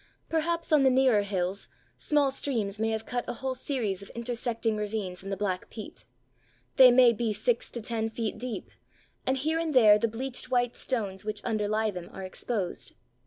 Perhaps on the nearer hills small streams may have cut a whole series of intersecting ravines in the black peat. They may be six to ten feet deep, and here and there the bleached white stones which underlie them are exposed.